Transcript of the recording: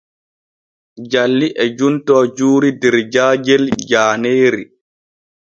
Jalli e juntoo juuri der jaajel jaaneeri.